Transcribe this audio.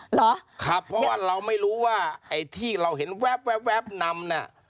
เหรอครับเพราะว่าเราไม่รู้ว่าไอ้ที่เราเห็นแว๊บนำน่ะ